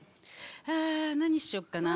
あ何にしよっかな